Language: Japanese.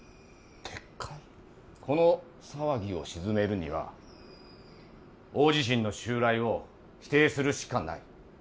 この騒ぎを静めるには大地震の襲来を否定するしかない。